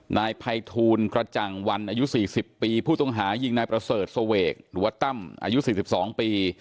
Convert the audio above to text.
นายภัยทูลกระจังวันอายุ๔๐ปีผู้ต้องหายิงนายประเสริฐเสวกหรือว่าตั้มอายุ๔๒ปี